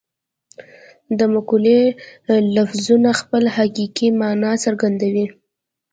د مقولې لفظونه خپله حقیقي مانا څرګندوي